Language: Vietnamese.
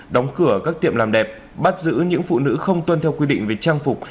đóng cửa các tiệm làm đẹp bắt giữ những phụ nữ không tuân theo quy định về trang phục